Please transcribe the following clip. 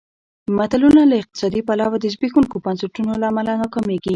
ملتونه له اقتصادي پلوه د زبېښونکو بنسټونو له امله ناکامېږي.